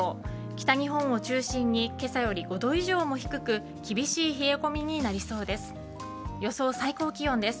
北日本を中心に今朝より５度以上も低く厳しい冷え込みになりそうです。